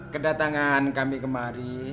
kedatangan kami kemari